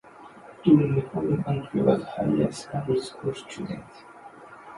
During recording Andrew was Higher Secondary School student.